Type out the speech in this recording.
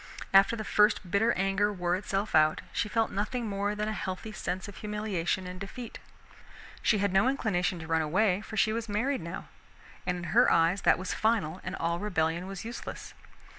After the first bitter anger wore itself out, she felt nothing more than a healthy sense of humiliation and defeat. She had no inclination to run away, for she was married now, and in her eyes that was final and all rebellion was useless.